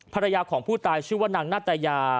ภรรยาของผู้ตายชื่อว่านางนาตยา